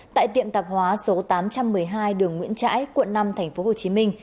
tại tiệm tạp hóa số tám trăm một mươi hai đường nguyễn trãi quận năm tp hcm